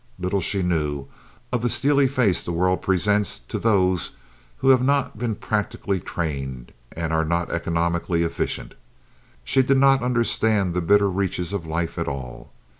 Little she knew of the steely face the world presents to those who have not been practically trained and are not economically efficient. She did not understand the bitter reaches of life at all.